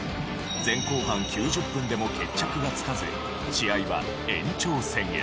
前後半９０分でも決着はつかず試合は延長戦へ。